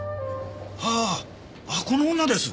ああこの女です。